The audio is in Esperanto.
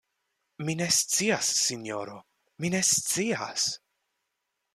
Mi ne scias, sinjoro, mi ne scias!